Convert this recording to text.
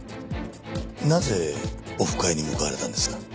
なぜオフ会に向かわれたんですか？